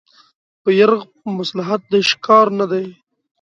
په يرغ په مصلحت د عشق کار نه دی